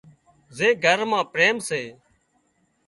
زي گھر مان پريم سي